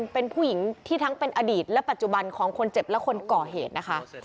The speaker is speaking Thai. เป็นผู้หญิงที่ทั้งเป็นอดีตและปัจจุบันของคนเจ็บและคนก่อเหตุนะคะ